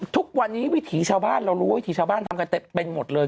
ทุกวันนี้วิถีชาวบ้านเรารู้วิถีชาวบ้านทำกันเต็มเป็นหมดเลย